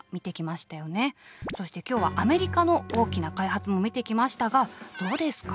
そして今日はアメリカの大きな開発も見てきましたがどうですか？